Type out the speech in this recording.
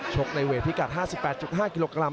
ในเวทพิกัด๕๘๕กิโลกรัม